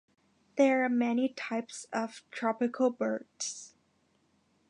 There are many types of tropical birds.